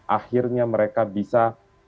akhirnya mereka bisa